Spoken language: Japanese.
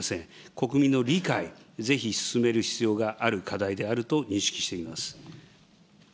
国民の理解、ぜひ進める必要がある課題であると認識しています。